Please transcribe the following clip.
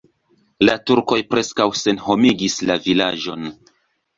La turkoj preskaŭ senhomigis la vilaĝon.